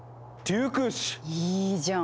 いいじゃん！